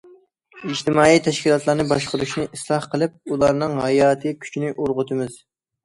ئىجتىمائىي تەشكىلاتلارنى باشقۇرۇشنى ئىسلاھ قىلىپ، ئۇلارنىڭ ھاياتىي كۈچىنى ئۇرغۇتىمىز.